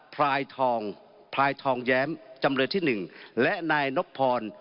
พรายทองพรายทองแแ๊มจำเลยที่หนึ่งและนายนกพร